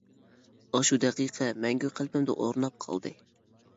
ئاشۇ دەقىقە مەڭگۈ قەلبىمدە ئورناپ قالدى.